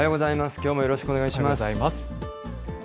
きょうもよろしくお願いします。